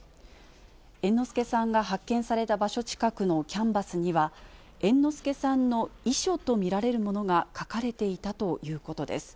猿之助さんが発見された場所近くのキャンバスには、猿之助さんの遺書と見られるものが書かれていたということです。